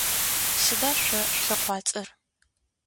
Сыда шъо шъулъэкъуацӏэр?